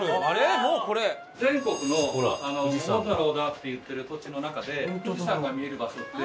全国の「桃太郎が」って言ってる土地の中で富士山が見える場所って。